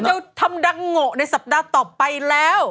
จะทำดังโง่ในสัปดาห์ต่อไปแล้ว